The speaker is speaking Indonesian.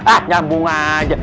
ah nyambung aja